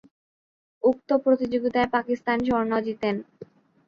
উক্ত প্রতিযোগীতায় পাকিস্তান স্বর্ণ জিতেন।